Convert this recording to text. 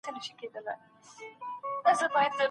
ډاکټره اوږده پاڼه په بشپړ ډول ړنګوي.